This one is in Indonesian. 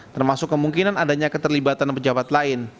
termasuk kemungkinan adanya keterlibatan pejabat lain